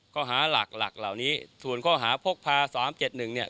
ข้อหาหลักหลักเหล่านี้ส่วนข้อหาพกพา๓๗๑เนี่ย